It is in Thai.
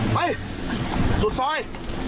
ไปสุดซอย